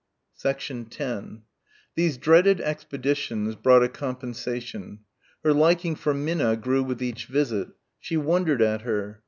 10 These dreaded expeditions brought a compensation. Her liking for Minna grew with each visit. She wondered at her.